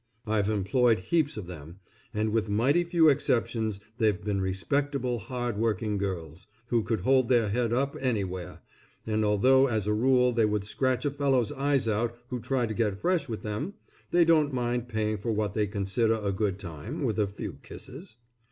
I've employed heaps of them, and with mighty few exceptions they've been respectable hard working girls, who could hold their head up anywhere, and although as a rule they would scratch a fellow's eyes out who tried to get fresh with them, they don't mind paying for what they consider a good time with a few kisses.